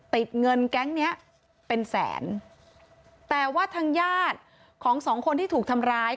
ติดเงินแก๊งเนี้ยเป็นแสนแต่ว่าทางญาติของสองคนที่ถูกทำร้าย